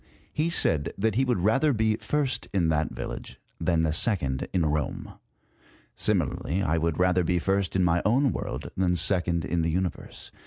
He said that he would rather be the COPERNICUS. 177 first in that village, than the second in Eome. Similarly I would rather be first in this mj own world than second in the Universe.